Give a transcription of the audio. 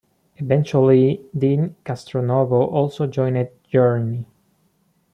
Eventually, Deen Castronovo also joined Journey.